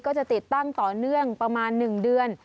ก็จะติดตั้งต่อเนื่องประมาณ๑เดือน